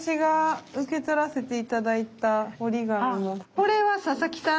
これは佐々木さん